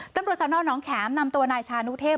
ตำรวจสนน้องแข็มนำตัวนายชานุเทพ